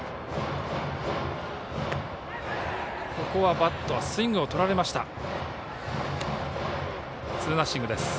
ここはバットはスイングをとられました。